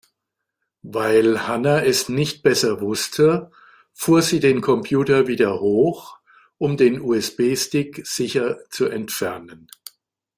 Weil Hanna es nicht besser wusste, fuhr sie den Computer wieder hoch, um den USB-Stick sicher zu entfernen.